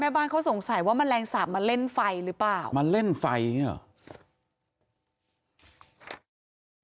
บ้านเขาสงสัยว่าแมลงสาปมาเล่นไฟหรือเปล่ามาเล่นไฟอย่างนี้หรอ